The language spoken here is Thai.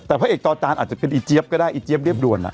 แต่พระเอกจอจานอาจจะเป็นอีเจี๊ยบก็ได้อีเจี๊ยเรียบด่วน